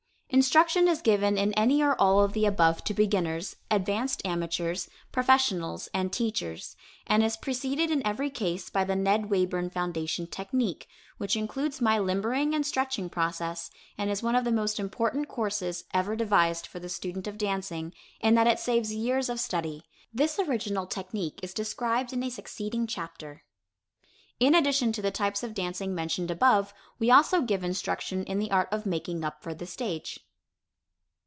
Instruction is given in any or all of the above to beginners, advanced amateurs, professionals and teachers, and is preceded in every case by the Ned Wayburn Foundation Technique, which includes my limbering and stretching process, and is one of the most important courses ever devised for the student of dancing in that it saves years of study. This original technique is described in a succeeding chapter. In addition to the types of dancing mentioned above, we also give instruction in the art of making up for the stage.